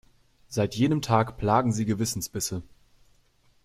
Seit jenem Tag plagen sie Gewissensbisse.